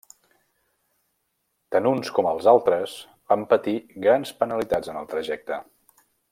Tant uns com els altres van patir grans penalitats en el trajecte.